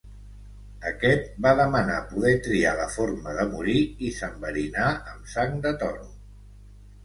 Aquest va demanar poder triar la forma de morir, i s'enverinà amb sang de toro.